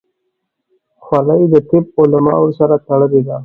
خولۍ د طب علماو سره تړلې ده.